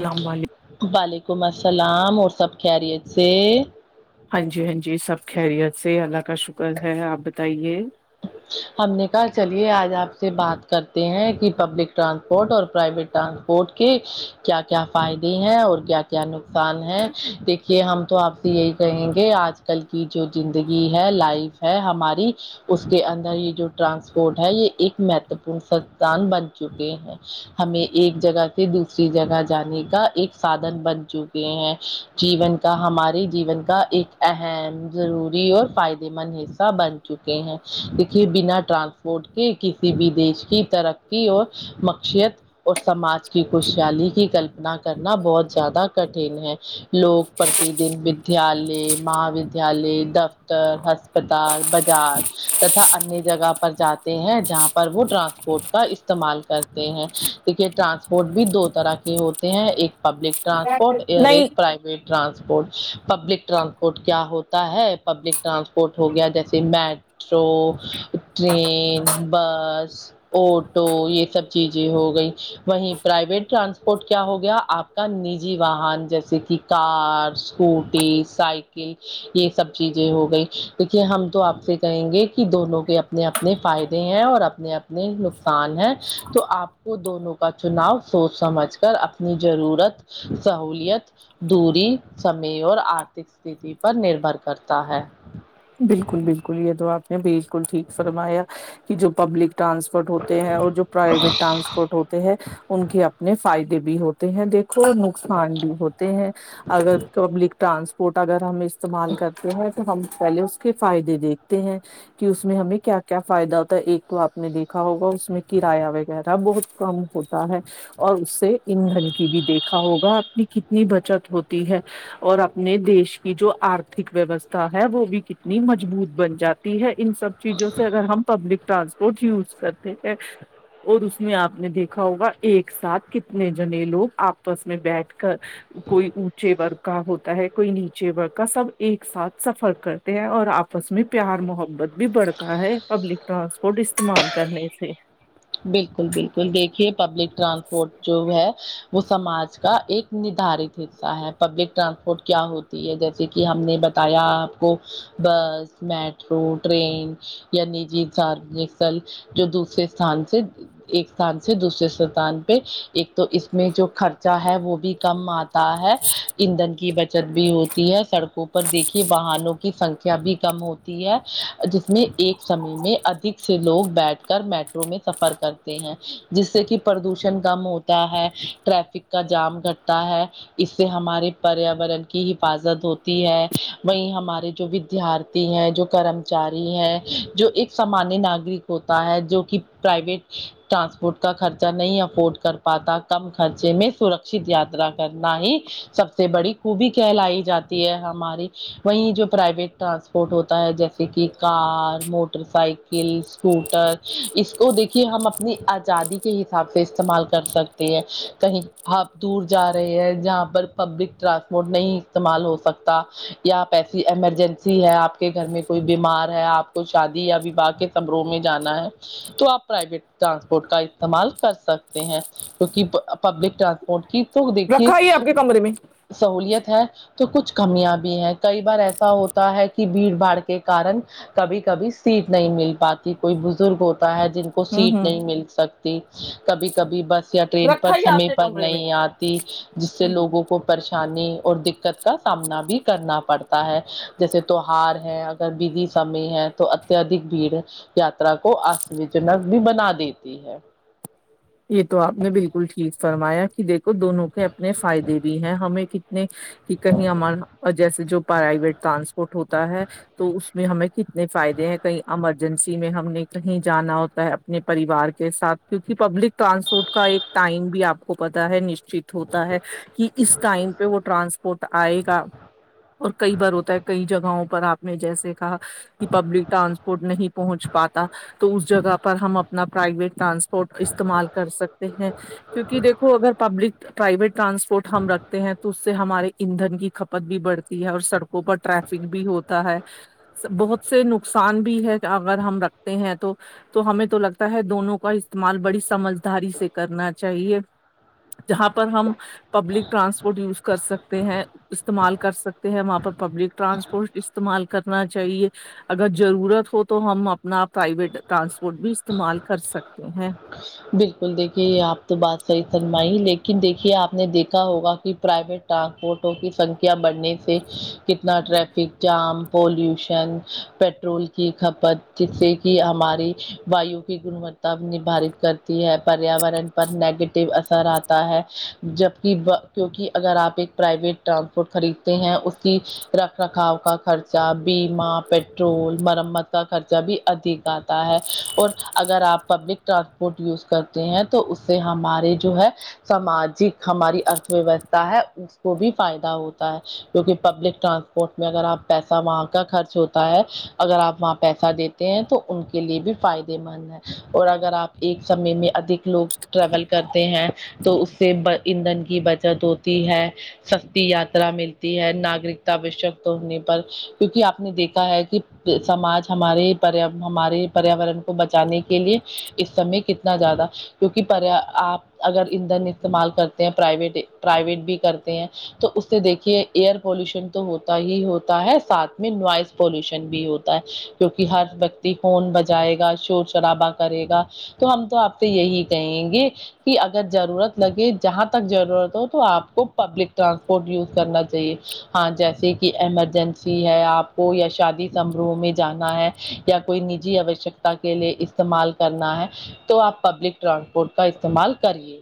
الام علیکم وعلیکم السلام اور سب خیریت سے ہاں جی ہاں جی سب خیریت سے اللہ کا شکر ہے اپ بتائیے ہم نے کہا چلیے اج اپ سے بات کرتے ہیں کہ پبلک ٹرانسپورٹ اور پرائیویٹ ٹرانسپورٹ کے کیا کیا فائدے ہیں اور کیا کیا نقصان ہے دیکھ یہ ہم تو اپ سے یہی کہیں گے اج کل کی جو زندگی ہے لائف ہے ہماری اس اس کے اندر یہ جو ٹرانسپورٹ ہے یہ ایک مہتوپورن سھان بن چکے ہیں ہمیں ایک جگہ سے دوسری جگہ جانے کا ایک سادن بن چک کہ ہے جیون کا ہمارے جیون کا ایک اہم ضروری اور فائدے مند حصہ بن چکے ہیں دیکھیے بنا ٹرانسپورٹ کے کسی بھی دیش کی ترقی اور مقشت اور سماج کی خوشحالی کی کلپنا کرنا بہت زیادہ کٹھن ہے لوگ پڑھتے دن بھی ودیالے مہا ودیالیہ دفتر ہسپتال بازار تتا انیہ جگہ پر جاتے ہیں جہاں پر وہ ٹرانسپورٹ کا استعمال کرتے ہیں ٹرانسپورٹ بھی دو طرح کے ہوتے ہیں ایک پبلک ٹرانسپورٹ اور ایک پرائیویٹ ٹرانسپورٹ پبلک ٹرانسپورٹ کیا ہوتا ہے پبلک ٹرانسپورٹ ہو گیا جیسے مٹ مٹرو ٹرین بس اوٹو یہ سب چیزیں ہو گئی وہیں پرائیویٹ ٹرانسپورٹ کیا ہو گیا اپ کا نجی واہن جیسے کہ کار اسکوٹی سائیکل یہ سب چیزیں ہو گئی دیکھیے ہم تو اپ سے کہیں گے کہ دونوں کے اپنے اپنے فائدے ہیں اور اپنے اپنے نقصان ہیں تو اپ کو وہ دونوں کا چناؤ سوچ سمجھ کر اپنی ضرورت سہولیت دوری سمے اور ارتھک ستی پر نربھر کرتا ہے بالکل بالکل یہ تو اپ نے بالکل ٹھیک فرمایا کہ جو پبلک ٹرانسپورٹ ہوتے ہیں اور جو پرائیویٹ رانسپورٹ ہوتے ہو تے ہیں ان کے اپنے فائدے بھی ہوتے ہیں دیکھو اور نقصان بھی ہوتے تے ہیں اگر پبلک ٹرانسپورٹ اگر ہم استعمال کرتے ہیں تو ہم پہلے اس کے فائدے دیکھتے ہیں کہ اس میں ہمیں کیا کیا فائدہ ہوتا ہے ایک تو اپ نے دیکھا ہوگا اس میں کرایہ وغیرہ بہت کم ہوتا ہے اور اس سے ایندھن کی بھی دیکھا ہوگا اپ کتنی بچت ہوتی ہے اور اپنے دیش کی جو ارتھک ویوستھا ہے وہ بھی کی نی مجبوط بن جاتی ہے ان سب چیزوں سے اگر ہم پبلک ٹرانسپورٹ یوز کرتے ہیں اور اس میں آپ نے دیکھا ہوگا ایک ساتھ کتنے جنے لوگ آپس میں بیٹھ کر کوئی اونچے ورگ کا ہوتا ہے کوئی نیچے ورگ کا سب ایک ساتھ سفر کر ہیں اور آپس میں پیار محبت بھی بڑھتا ہے پبلک ٹرانسپورٹ استعمال کرنے سے بالکل بالکل دیکھیے پبلک ٹرانسپورٹ جو ہے وہ سماج کا ایک ندارت حصہ ہے پبلک ٹرانسپورٹ کیا ہوتی ہے جیسے جیسے کہ ہم نے بتایا آپ کو بس میٹرو ٹرین یا نجی ساروجک ستل جو دوسرے استان سے ایک استان سے دوسرے ستان پہ ایک تو اس میں جو خرچہ ہے وہ بھی کم آ تا ہے ایندھن کی بچت بھی ہوتی ہے سڑکوں پر دیکھیے واہنوں کی سنکھیا بھی کم ہوتی تی ہے جس میں ایک سمے میں ادک سے لوگ بیٹھ کر میٹ میں سفر کرتے ہیں جس سے کہ پردوشن کم ہوتا ہے ٹریفک کا جام گھٹتا ہے اس سے ہمارے پریاورن کی حفاظت ہوتی ہے وہی ہمارے جو ودارھی تی ہیں جو کرمچاری ہیں جو ایک سامانیہ ناگرک ہوتا ہے جو کہ پرائیویٹ ٹرانسپورٹ کا خرچہ نہیں افورڈ کر پاتا کم خرچے میں سرکشت یاترا کرنا ہی سب سے بڑی خوبی کہلائی جاتی ہے ہماری وہیں جو پرائیویٹ ٹرانسپ پٹ ہوتا ہے جیسے کہ کار موٹر سائیکل اسکوٹر اس کو دیکھیے ہم اپنی آزادی کے حساب سے استعمال کر سکتے ہیں کہیں آپ دور جا رہے ہیں جہاں پر پبلک ٹرانسپورٹ نہیں استعمال ہو سکتا یا آپ ایسی ایمرجنسی ہے آپ کے گھر میں کوئی بیمار ہے آپ کو شادی یا وواہ کے تبروں میں جانا ہے تو آپ پرائیویٹ ٹرانسپورٹ کا استعمال کر سکتے ہیں کیونکہ پبلک ٹرانسپور کی تو دیکھیے رکھا ہی ہے آپ کے کمرے میں سہولت ہے تو کچھ کمیاں بھی ہیں کئی بار ایسا ہوتا ہے کہ بھیڑ بھاڑ کے کارن کبھی کبھی سیٹ نہیں مل پاتی کوئی بزرگ ہوتا ہے جن کو ہوں سیٹ ہوں نہیں مل سکتی کبھی کبھی بس یا ٹرین پر رکھا ہی ہے آپ سمے کے پر کمرے نہیں آتی جس سے میں لوگوں کو پریشانی اور دقت کا سامنا بھی کرنا پڑتا ہے جیسے تو ہار ہے ودھی سمے ہے تو اتیہدک بھیڑ یاتا را کو آ وج نک بھی بنا دیتی ہے یہ تو آپ نے بالکل ٹھیک فرمایا کہ دیکھ دونوں کے اپنے فائدے بھی ہیں ہمیں کتنے ہی کہیں ہمار جیسے جو پرائیویٹ ٹرانسپورٹ ہوتا ہے تو اس میں ہمیں کتنے فائدے ہیں کہیں ایمرجنسی میں ہم نے کہیں جانا ہے اپنے پریوار کے ساتھ کیونکہ پبلک ٹرانسپورٹ کا ایک ٹائم بھی آپ کو پتا ہے نشچت ہوتا ہے کہ اس ٹائم پہ وہ ٹرانسپورٹ آئے گا اور کئی بار ہوتا ہے کئی جگہوں پر آپ نے جیسے کہا کہ پبلک ٹرانسپورٹ نہیں پہنچ پاتا تو اس جگہ پر ہم اپنا پرائیویٹ ٹرانسپ فوٹو استعمال کر سکتے ہیں کیونکہ دیکھو اگر پبلک پرائیویٹ ٹرانسپورٹ ہم رکھتے ہیں تو سے ہمارے ایندن کی کھپت بھی بڑھتی ہے اور سڑکوں پر ٹریفک بھی ہوتا ہے بہت سے نقصان بھی ہے اگر ہم رکھتے ہیں تو تو ہمیں تو لگتا ہے دونوں کا استعمال بڑی سمجداری سے کرنا چاہیے جہاں پر ہم پبلک ٹرانسپورٹ یوز کر سکتے ہیں استعمال کر سکتے ہیں وہاں پر پبلک ٹرانسپورٹ استعمال کرنا چاہیے اگر ضرورت ہو تو ہم اپنا پرائیویٹ ٹرانسپورٹ بھی استعمال کر سکتے ہیں بالکل دیکھیے آپ تو بات صحیح فرمائی لیکن دیکھیے آپ نے دیکھا ہوگا کہ پرائیویٹ ٹرانسپورٹوں کی سنکھیا بڑھنے سے کتنا ٹریفک جام پولوشن پٹرول کی کھپت جس سے کہ ہماری وایو کی گنوتا ندھارت کرتی ہے پریاورن پر نیگیٹو اثر آتا ہے جبک کیونکہ اگر آپ ایک پرائیویٹ ٹرانسپورٹ خریدتے ہیں اس کی رکھ رکھاؤ کا خرچ خرچا بیمہ پیٹرول مرمت کا خرچہ بھی ادھک آتا ہے اور اگر آپ پبلک ٹرانسپورٹ یوز کرتے ہیں تو اس سے ہمارے جو ہے سماجک ہماری ارتھ ویوستھا ہے اس کو بھی فائدہ ہوتا ہے کیونکہ پبلک ٹرانسپورٹ میں اگر آپ پیسہ وہاں کا خرچ ہوتا ہے اگر آپ وہاں پیسہ دیتے ہیں تو ان کے لیے بھی فائدے مند اور اگر آپ ایک سمے میں ادھک لوگ ٹریول کرتے ہیں تو اس سے ایندھن کی بچت ہوتی ہے سستی یاترا ملتی ہے ناگرکتاوشک تو ہونے پر کیونکہ آپ نے دیکھا ہے کہ سماج ہماری پریاورن ہماری پریاورن کو بچانے کے لیے اس سمے کتنا زیادہ کیونکہ آپ اگر ایندھن استعمال کرتے ہیں پرائیویٹ پرائیویٹ بھی کرتے ہیں تو اس سے دیکھیے ایئر پالوشن تو ہوتا ہی ہوتا ہے ساتھ میں نوائز پولوشن بھی ہوتا ہے کیونکہ ہر ویکتی ہورن بجائے گا شور شرابا کرے گا تو ہم تو آپ سے یہی کہیں گے کہ اگر ضرورت لگے جہاں تک ضرورت ہو تو آپ کو پبلک ٹرانسپورٹ یوز کرنا چاہیے ہاں جیسے کہ ایمرجنسی ہے آپ کو یا شادی سماروہ میں جانا ہے یا کوئی نجی آوشک کے لیے استعمال کرنا ہے تو آپ پبلک ٹرانسپورٹ کا استعمال کریے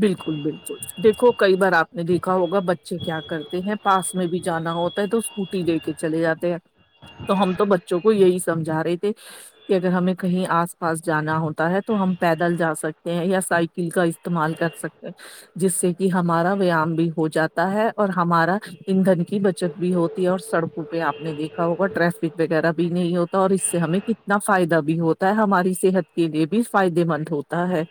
بالکل بالکل دیکھو کئی بار آپ نے دیکھا ہوگا بچے کیا کرتے ہیں پاس میں بھی جانا ہوتا تو اسکوٹی لے کے چلے جاتے ہیں تو ہم تو بچوں کو یہی سمجھا رہے تھے کہ اگر ہمیں کہیں آس پاس جانا ہوتا ہے تو ہم پیدل جا سکتے ہیں یا سائیکل کا استعمال کر سکتے ہیں جس سے کہ ہمارا ویام بھی ہو جاتا ہے اور ہمارا ایندھن کی بچت بھی ہوتی ہے اور سڑکوں پہ آپ نے دیکھا ہوگا ٹریفک وغیرہ بھی نہیں ہوتا اور اس سے ہمیں کت نہ فائدہ بھی ہوتا ہے ہماری صحت کے لیے بھی فائدے مند ہوتا ہے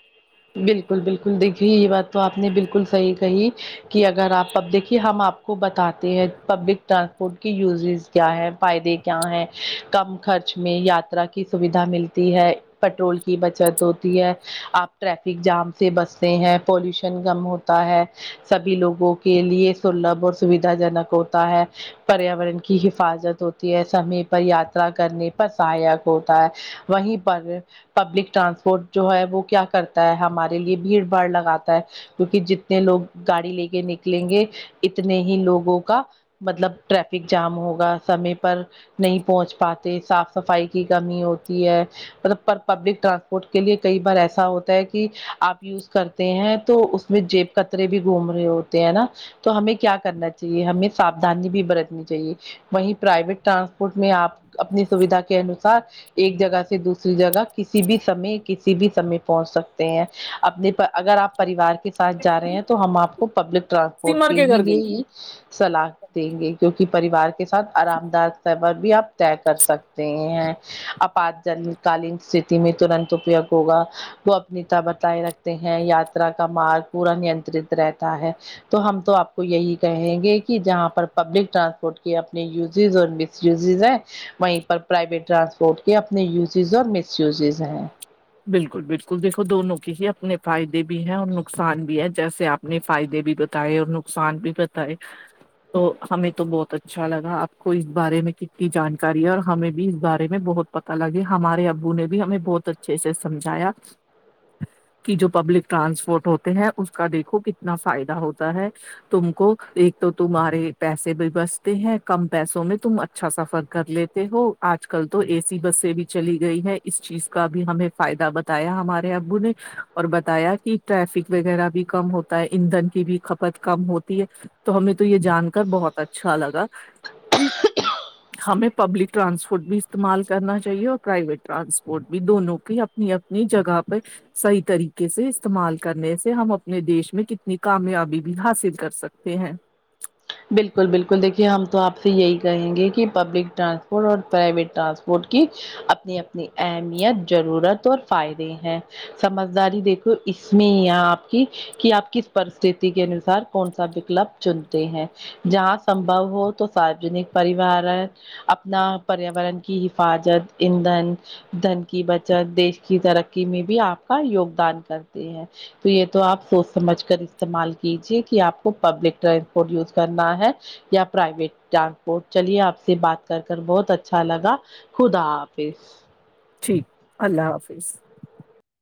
بالکل بالکل دیکھی یہ بات تو آپ نے بالکل صحیح کہی کہ اگر آپ اب دیکھیے ہم آپ کو بتاتے ہیں پبلک ٹرانسپورٹ کی یوزز کیا ہے فائدے کیا ہیں کم خرچ میں یاترا کی سویدھا ملتی ہے پٹرول کی بچت ہوتی ہے آپ ٹریفک جام سے بستے ہیں پولوشن کم ہوتا ہے سبھی لوگوں کے لیے سلبھ اور سویدھا جنک ہوتا ہے پریاورن کی حفاظت ہوتی ہے سمے پر یاترا کرنے پر سہایک ہوتا ہے وہیں پر پبلک ٹرانسپورٹ جو ہے وہ کیا کرتا ہے ہمارے لیے بھیڑ باڑ لگاتا ہے کیونکہ جتنے لوگ گاڑی لے کے نکلیں گے اتنے ہی لوگوں کا مطلب ٹریفک جام ہوگا سمے پر نہیں پہنچ پاتے صاف صفائی کی کمی ہوتی ہے مطلب پر پبلک ٹرانسپورٹ کے لیے کئی بار ایسا ہو تا کہ آپ یوز کرتے ہیں تو اس میں جیب کترے بھی گھوم رہے ہوتے ہیں نا تو ہمیں کیا کرنا چاہیے ہمیں سافدھانی بھی برتنی چاہیے وہیں پرائیویٹ ٹرانسپورٹ میں آپ اپنی سیدھا کے انوسار ایک جگہ سے دوسری جگہ کسی بھی سمے کسی بھی سمے پہ پہنچ سکتے ہیں اپنے اگر آپ پریوار کے ساتھ جا رہے ہیں تو ہم آپ کو پبلک ٹرانسپ پورٹ سمر کے ہی گھر لیے گئی تھی ہی صلاح دیں گے کیونکہ پریوار کے ساتھ آرام دا سفر بھی آپ طے کر سکتے ہیں اب آج تعلیم ستتی میں ترنت اپیگ ہوگا وہ اپنیتا بتائے رکھتے ہیں یاترا کا مارگ پورا نینترت رہتا ہے تو ہم تو آپ کو یہی کہیں گے کہ جہاں پر پبلک ٹرانسپورٹ کے اپنے یوزز اور یوزز ہیں وہیں پر پرائیویٹ ٹرانسپورٹ کے اپنے یوزز اور مس یوزز ہیں بالکل بالکل دیکھو دونوں کے ہی اپنے فائدے بھی ہیں اور نقصان بھی ہے جیسے آپ اپنے فائدے بھی بتائے اور نقصان بھی بتائے تو ہمیں تو بہت اچھا لگا آپ کو اس بارے میں کتنی جانکاری ہے اور ہمیں بھی اس بارے میں بہت پتا لگے ہمارے ابو نے بھی ہمیں بہت اچھے سے سمجھایا کہ جو پبلک ٹرانسپورٹ ہوتے ہیں اس کا دیکھو کتنا فائدہ ہوتا ہے تم کو ایک تو تمہارے پیسے بھی بچتے ہیں کم پیسوں میں تم اچھا سفر کر لیتے ہو آج کل تو اے سی بس بھی چلی گئی ہے اس چیز کا بھی ہمیں فائدہ بتایا ہمارے ابو نے اور بتایا کہ ٹریفک وغیرہ بھی کم ہوتا ایندھن کی بھی کھپت کم ہوتی ہے تو ہمیں تو یہ جان کر بہت اچھا لگا ایک ہمیں پبلک ٹرانسپورٹ بھی استعمال کرنا چاہیے اور پرائیویٹ ٹرانسپورٹ بھی دونوں کی اپنی اپنی جگہ پہ صحیح طریقے سے استعمال کرنے سے ہم اپنے دیش میں کتنی کامیابی بھی حاصل کر سکتے ہیں بالکل بالکل دیکھیے ہم تو آپ سے یہی کہیں گے کہ پبلک ٹرانسپورٹ اور پرائیویٹ ٹرانسپورٹ کی اپنی اپنی اہمیت ضرورت اور فائدے ہیں سمجھداری دیکھو اس میں آپ کی کہ آپ کس پرستتی کے انوسار کون سا وکلپ چنتے ہیں جہاں سمبو ہو تو ساروجنک پریوارن اپنا پریاورن کی حفاظت ایندھن دھن کی بچت دیش کی ترقی میں بھی آپ کا یوگدان کرتے ہیں تو یہ تو آپ سوچ سمجھ کر استعمال کیجے کہ آپ کو پبلک ٹرانسپورٹ یوز کرنا ہے یا پرائیویٹ ٹرانسپورٹ چلیے آپ سے بات کر کر بہت اچھا لگا خدا حافظ ٹھیک اللہ حافظ